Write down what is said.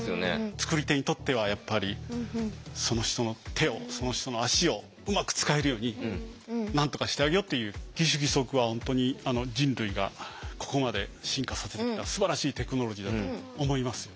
作り手にとってはやっぱりその人の手をその人の足をうまく使えるようになんとかしてあげようっていう義手義足は本当に人類がここまで進化させてきたすばらしいテクノロジーだと思いますよ。